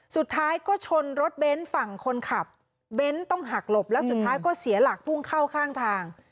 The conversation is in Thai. สุดท้ายก็ชนรถเบนท์ฝั่งคนขับเบ้นต้องหักหลบแล้วสุดท้ายก็เสียหลักพุ่งเข้าข้างทาง